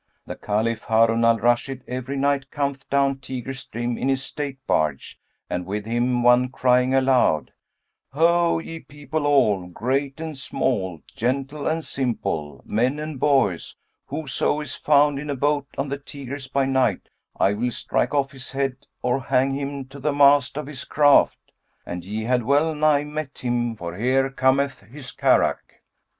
The Caliph Harun al Rashid every night cometh down Tigris stream in his state barge[FN#186] and with him one crying aloud: 'Ho, ye people all, great and small, gentle and simple, men and boys, whoso is found in a boat on the Tigris by night, I will strike off his head or hang him to the mast of his craft!' And ye had well nigh met him; for here cometh his carrack."